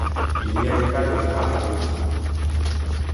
Il n’y avait pas de draps au lit.